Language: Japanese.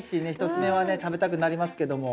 １つ目はね食べたくなりますけども。